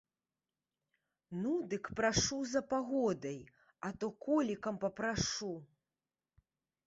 Ну, дык прашу за пагодай, а то колікам папрашу.